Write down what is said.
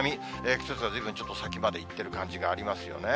季節はずいぶんちょっと先までいってる感じがありますよね。